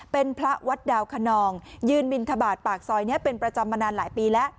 เป็นพระวัดดาวคนนองยืนบินทบาทปากซอยนี้เป็นประจำมานานหลายปีแล้ว